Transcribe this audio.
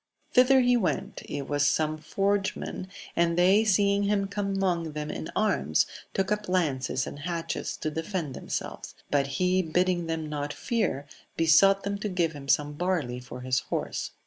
Thither he went ; it was some forgemen, and they seeing him come among them in arms, took up lances and hatchets to defend themselves ; but he bidding them not fear, besought them to give him some barley for his horse.